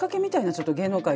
ちょっと芸能界を。